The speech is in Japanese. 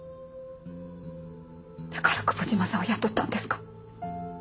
だから久保島さんを雇ったんですか？